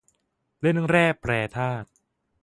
เล่นแร่แปรธาตุ